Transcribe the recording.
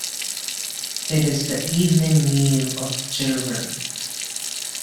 It is the evening meal of children.